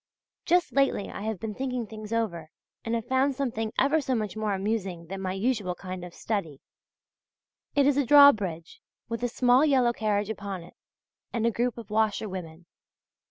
Just lately I have been thinking things over, and have found something ever so much more amusing than my usual kind of study; it is a drawbridge, with a small yellow carriage upon it and a group of washerwomen.